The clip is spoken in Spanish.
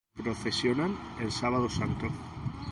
Procesionan el Sábado Santo.